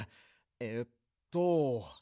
えっと。